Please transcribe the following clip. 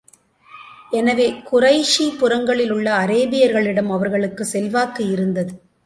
எனவே, குறைஷி புறங்களிலுள்ள அரேபியர்களிடம் அவர்களுக்கு செல்வாக்கு இருந்தது.